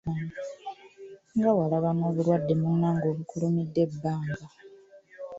Nga walaba n'obulwadde munnange obukulumidde ebbanga.